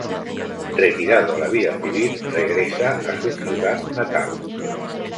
Retirado a la vida civil regresa a su ciudad natal.